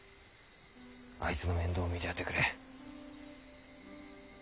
あいつの面倒を見てやってくれ。